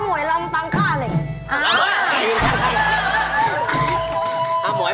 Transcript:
อ้ามวยลำตามข้าเลย